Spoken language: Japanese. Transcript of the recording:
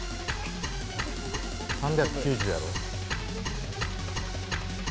３９０やろ？